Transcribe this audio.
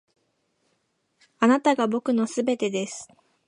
あなたが僕の全てです．